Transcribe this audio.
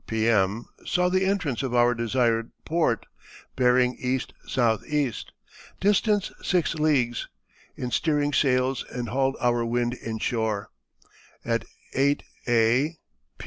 P.M. saw the entrance of our desired port, bearing ESE., distance 6 leagues, in steering sails and hauled our wind in shore. At 8 A.